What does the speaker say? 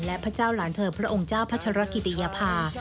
และพระเจ้าหลานเธอพระองค์เจ้าพัชรกิติยภา